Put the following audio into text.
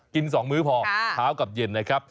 ๒มื้อพอเช้ากับเย็นนะครับ